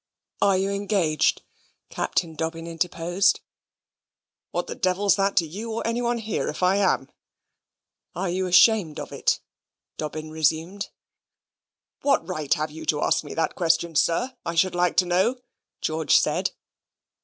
"Are you engaged?" Captain Dobbin interposed. "What the devil's that to you or any one here if I am?" "Are you ashamed of it?" Dobbin resumed. "What right have you to ask me that question, sir? I should like to know," George said.